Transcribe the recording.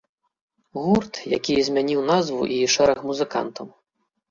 Гурт, які змяніў назву і шэраг музыкантаў.